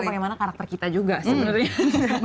untuk tahu bagaimana karakter kita juga sebenarnya